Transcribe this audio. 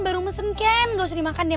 baru mesen kan gak usah dimakan deh